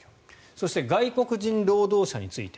そして外国人労働者について。